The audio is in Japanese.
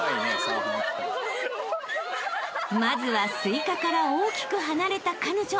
［まずはスイカから大きく離れた彼女］